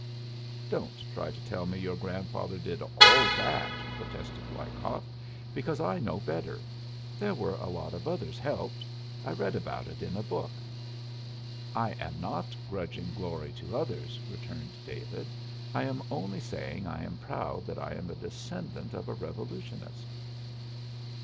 "Don't try to tell me your grandfather did all that," protested Wyckoff, "because I know better. There were a lot of others helped. I read about it in a book." "I am not grudging glory to others," returned David; "I am only saying I am proud that I am a descendant of a revolutionist."